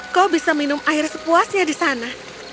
kau bisa minum air sepuasnya di sana